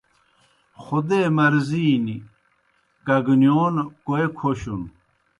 خودے مرضی نیْ، کگنِیون کوئے کھوْشُن